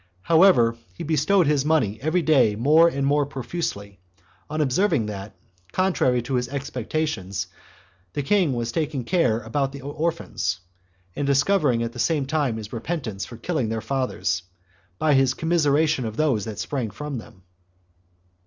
However, he bestowed his money every day more and more profusely, on observing that, contrary to his expectations, the king was taking care about the orphans, and discovering at the same time his repentance for killing their fathers, by his commiseration of those that sprang from them.